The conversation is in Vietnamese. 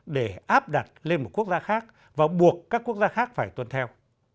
để áp đặt lên một quốc gia khác và buộc các quốc gia khác phải tuân theo